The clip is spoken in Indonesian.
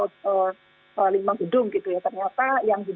gedung gitu ya ternyata